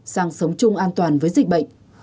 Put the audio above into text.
sang sống chung an toàn với dịch bệnh